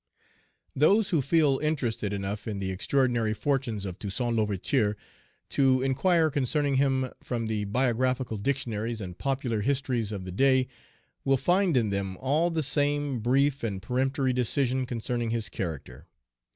THOSE who feel interested enough in the extraordinary fortunes of Toussaint L'Ouverture to inquire concerning him from the biographical dictionaries and popular histories of the day, will find in them all the same brief and peremptory decision concerning his character.